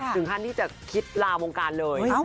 ถึงขั้นที่จะคิดลาวงการเลย